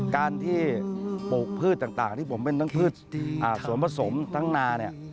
การที่ปลูกพืชต่างที่ผมเป็นทั้งพืชส่วนผสมทั้งนาเนี่ย